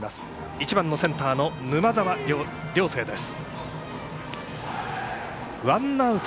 １番のセンター、沼澤梁成です。